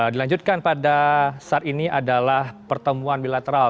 dilanjutkan pada saat ini adalah pertemuan bilateral